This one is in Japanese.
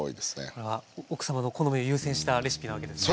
これは奥様の好みを優先したレシピなわけですね？